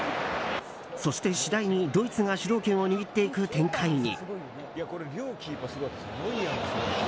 そして、次第にドイツが主導権を握っていく展開に。